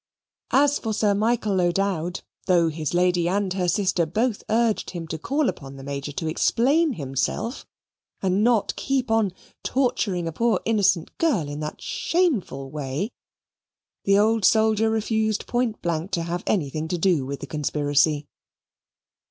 As for Sir Michael O'Dowd, though his lady and her sister both urged him to call upon the Major to explain himself and not keep on torturing a poor innocent girl in that shameful way, the old soldier refused point blank to have anything to do with the conspiracy.